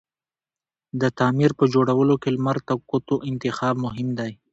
د تعمير په جوړولو کی لمر ته کوتو انتخاب مهم دی